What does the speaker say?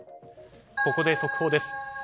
ここで速報です。